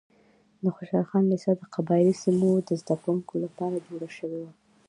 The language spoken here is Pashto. د خوشحال خان لیسه د قبایلي سیمو د زده کوونکو لپاره جوړه شوې وه.